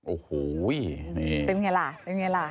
โอ้โหนี่เป็นไงล่ะเป็นไงล่ะ